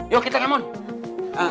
yuk kita kemau